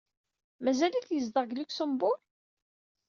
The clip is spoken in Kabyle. Mazal-it yezdeɣ deg Luxembourg?